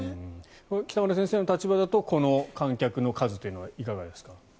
北村先生の立場だとこの観客の数というのはいかがですか？